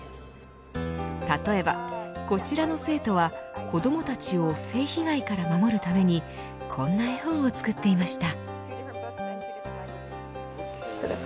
例えばこちらの生徒は子どもたちを性被害から守るためにこんな絵本を作っていました。